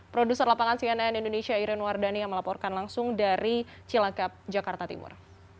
produser lapangan cnn indonesia iren wardani yang melaporkan langsung dari cilangkap jakarta timur